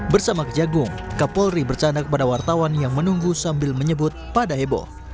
bersama kejagung kapolri bercanda kepada wartawan yang menunggu sambil menyebut pada heboh